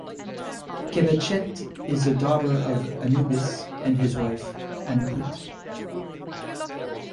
Kebechet is a daughter of Anubis and his wife Anput.